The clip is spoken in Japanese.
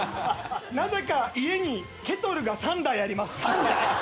なぜか家にケトルが３台あります。